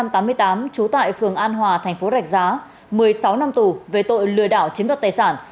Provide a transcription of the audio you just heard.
trú tại phường an hòa thành phố rạch giá một mươi sáu năm tù về tội lừa đảo chiếm đoạt tài sản